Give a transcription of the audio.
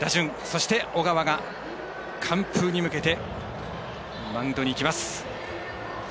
そして、小川が完封に向けてマウンドに行きます。